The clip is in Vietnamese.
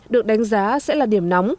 được đánh giá sẽ là điểm nóng